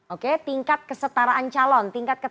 oke tingkat kesetaraan calon